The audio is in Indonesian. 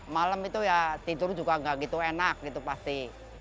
malam itu ya tidur juga nggak gitu enak gitu pasti